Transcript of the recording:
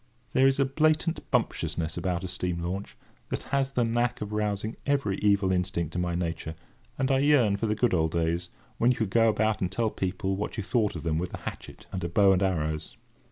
There is a blatant bumptiousness about a steam launch that has the knack of rousing every evil instinct in my nature, and I yearn for the good old days, when you could go about and tell people what you thought of them with a hatchet and a bow and arrows.